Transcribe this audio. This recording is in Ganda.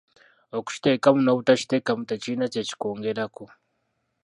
Okukiteekmu n'obutakiteekamu tekirina kye ki kwongerako.